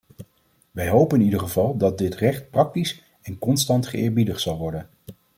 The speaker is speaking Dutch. Wij hopen in ieder geval dat dit recht praktisch en constant geëerbiedigd zal worden.